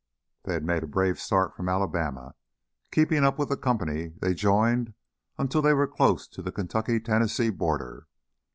They had made a brave start from Alabama, keeping up with the company they joined until they were close to the Kentucky Tennessee border.